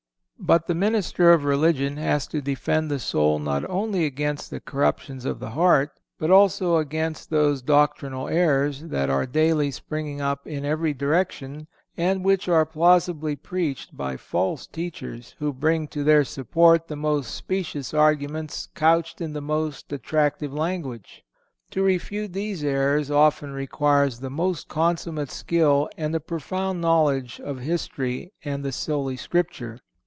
But the minister of religion has to defend the soul not only against the corruptions of the heart, but also against those doctrinal errors that are daily springing up in every direction, and which are plausibly preached by false teachers, who bring to their support the most specious arguments, couched in the most attractive language. To refute these errors often requires the most consummate skill and a profound knowledge of history and the Holy Scripture.